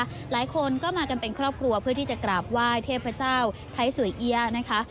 หลายคนก็มากันเป็นครอบครัวเพื่อที่จะกราบไหว้เทพเจ้าไทยสวยเอี๊ยะนะคะ